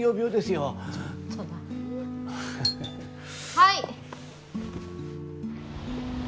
はい！